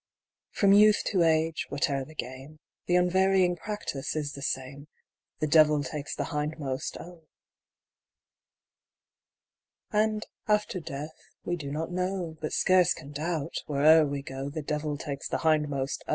From youth to age, whate'er the game, The unvarying practice is the same The devil takes the hindmost, I 184 POEMS ON LIFE AND DUTY. And after death, we do not know, But scarce can doubt, where'er we go, The devil takes the hindmost